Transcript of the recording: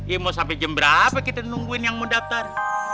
ya mau sampai jam berapa kita nungguin yang mau daftar